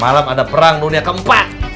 malam ada perang dunia keempat